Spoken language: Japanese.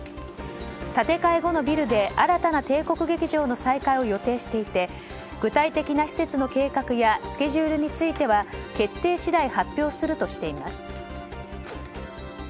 建て替え後のビルで新たな帝国劇場の再開を予定していて具体的な施設の計画やスケジュールについては決定次第、発表するとしています。